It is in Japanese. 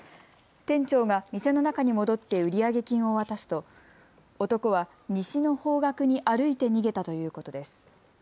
店長が店の中に戻って売上金を渡すと男は西の方角に歩いて逃げたということです。